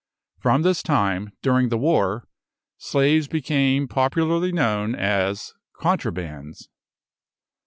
From this time, during the war, slaves became popularly known as contrabands.